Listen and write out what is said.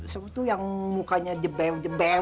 sama tuh yang mukanya jebel jebel